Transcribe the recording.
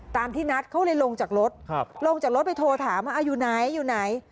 ตามที่นัดเขาเลยลงจากรถลงจากรถไปโทรถามว่าอยู่ไหนอยู่ไหน